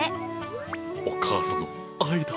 お母さんの愛だ。